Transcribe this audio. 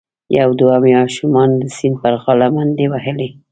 یو دوه ماشومانو د سیند پر غاړه منډې وهلي.